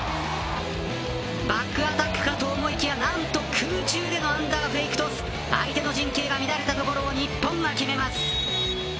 バックアタックかと思いきやなんと空中でのアンダーフェイクトス相手の陣形が乱れたところを日本が決めます。